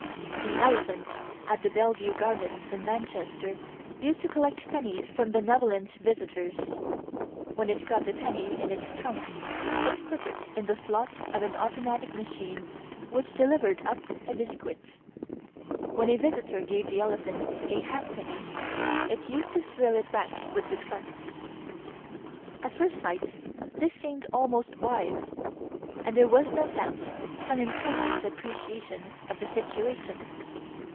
The elephant at the Belle Vue Gardens in Manchester used to collect pennies from benevolent visitors. When it got a penny in its trunk it put it in the slot of an automatic machine which delivered up a biscuit. When a visitor gave the elephant a halfpenny it used to throw it back with disgust. At first sight this seemed almost wise, and there was no doubt some intelligent appreciation of the situation.